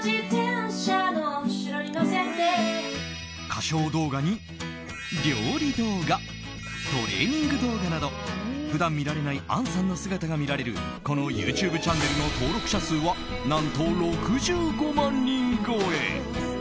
歌唱動画に料理動画トレーニング動画など普段見られない杏さんの姿が見られるこのＹｏｕＴｕｂｅチャンネルの登録者数は何と、６５万人超え。